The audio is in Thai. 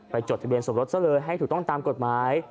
จดทะเบียนสมรสซะเลยให้ถูกต้องตามกฎหมาย